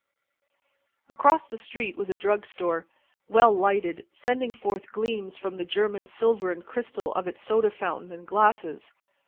Across the street was a drug store, well lighted, sending forth gleams from the German silver and crystal of its soda fountain and glasses.